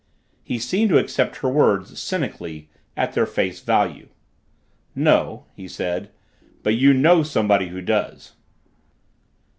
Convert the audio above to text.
He seemed to accept her words, cynically, at their face value. "No," he said, "but you know somebody who does."